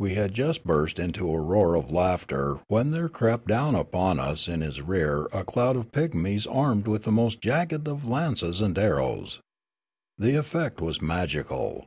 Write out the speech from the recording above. We had just burst into a roar of laughter when there crept down upon us in his rear a cloud of pigmies armed with the most jagged of lances and arrows. The effect w^as magical.